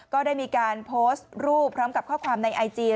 ก็ได้มีการโพสต์รูปพร้อมกับข้อความในไอจี